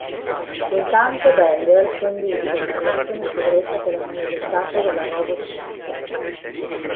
Intanto Bender conduce una relazione segreta con la moglie del capo della robot mafia.